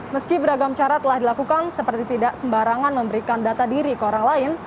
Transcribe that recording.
meski beragam cara telah dilakukan seperti tidak sembarangan memberikan data diri ke orang lain